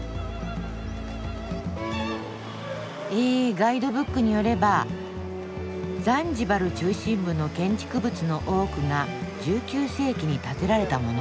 えガイドブックによれば「ザンジバル中心部の建築物の多くが１９世紀に建てられたもの」